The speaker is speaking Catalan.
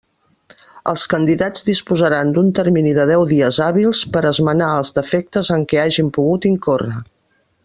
Els candidats disposaran d'un termini de deu dies hàbils per esmenar els defectes en què hagen pogut incórrer.